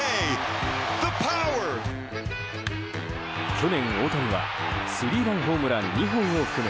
去年、大谷はスリーランホームラン２本を含む